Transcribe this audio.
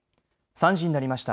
３時になりました。